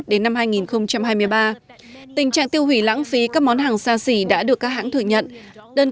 đến năm hai nghìn hai mươi ba tình trạng tiêu hủy lãng phí các món hàng xa xỉ đã được các hãng thừa nhận đơn